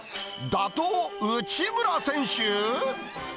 打倒内村選手？